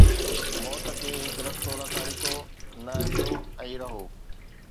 موت کي هڪ رستو نه ٿا ڏسو؟ نه اچو ۽ رهو